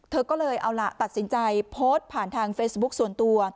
เธอก็เลยเอาล่ะตัดสินใจโพสต์ผ่านทางเฟซบุ๊คส่วนตัว